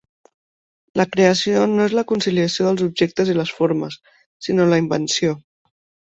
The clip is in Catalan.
La creació no és la conciliació dels objectes i les formes, sinó la invenció.